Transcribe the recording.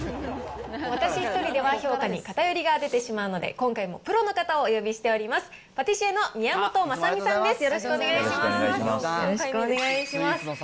私１人では、評価に偏りが出てしまうので、今回もプロの方をお呼びしております。